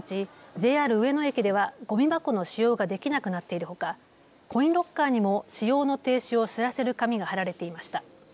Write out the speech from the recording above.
ＪＲ上野駅ではごみ箱の使用ができなくなっているほかコインロッカーにも使用の停止を知らせる紙が張られていました。